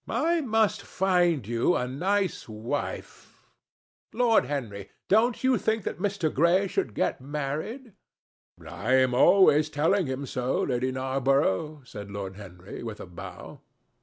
I must find you a nice wife. Lord Henry, don't you think that Mr. Gray should get married?" "I am always telling him so, Lady Narborough," said Lord Henry with a bow.